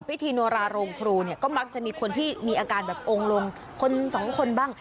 พิธีโนราโรงครูเนี่ยก็มักจะมีคนที่มีอาการแบบองค์ลงคนสองคนบ้าง